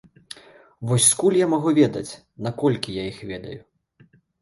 Вось скуль я магу ведаць, наколькі я іх ведаю.